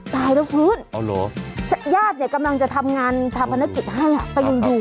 ตายแล้วฟื้นเอาเหรอญาติเนี่ยกำลังจะทำงานทางภรรณกิจให้ละประยุ่นดู